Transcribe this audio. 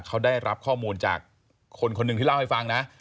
เขาได้รับข้อมูลจากคนคนหนึ่งที่เล่าให้ฟังนะ